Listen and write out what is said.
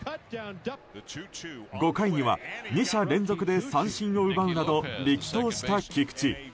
５回には２者連続で三振を奪うなど、力投した菊池。